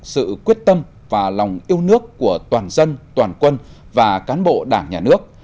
sự quyết tâm và lòng yêu nước của toàn dân toàn quân và cán bộ đảng nhà nước